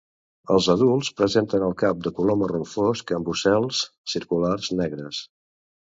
Els adults presenten el cap de color marró fosc amb ocels circulars negres.